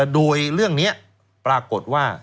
โดยเรื่องนี้ปรากฏว่า